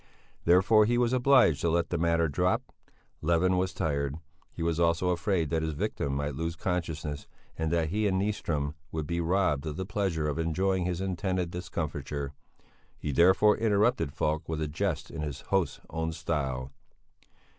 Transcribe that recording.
Therefore he was obliged to let the matter drop. Levin was tired; he was also afraid that his victim might lose consciousness, and that he and Nyström would be robbed of the pleasure of enjoying his intended discomfiture. He therefore interrupted Falk with a jest in his host's own style.